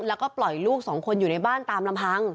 แล้วก็ปล่อยลูกสองคนอยู่ในบ้านตามลำพัง